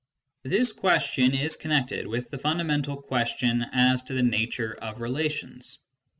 This ques tion is connected with the fundamental question as to the nature of relations.